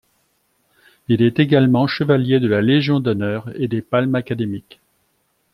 Il est également chevalier de la légion d'honneur et des palmes académiques.